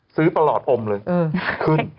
ซื้อตลอดอมเลยขึ้น